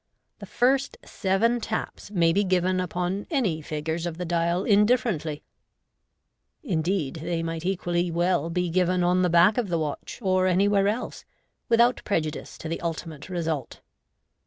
The first seven taps may be given upon any figures of the dial indifferently j indeed, they might equally well be given on the back of the watch, or anywhere else, without prejudice to the ultimate result.